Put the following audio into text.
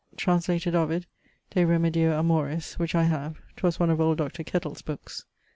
Translated Ovid de remedio amoris which I have ('twas one of old Dr. Kettle's bookes).